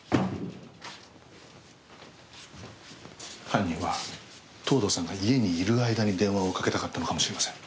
犯人は藤堂さんが家にいる間に電話をかけたかったのかもしれません。